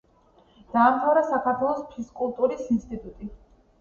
დაამთავრა საქართველოს ფიზკულტურის ინსტიტუტი.